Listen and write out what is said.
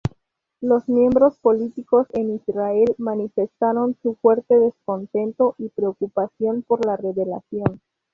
Los miembros políticos en Israel manifestaron su fuerte descontento y preocupación por la revelación.